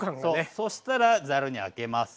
そしたらざるにあけます。